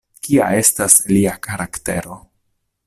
Kia estas lia karaktero?